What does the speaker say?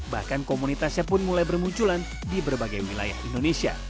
bahkan komunitasnya pun mulai bermunculan di berbagai wilayah indonesia